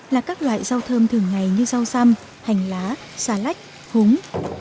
là các loại rau thơm thường ngày như rau xăm hành lá xà lách húng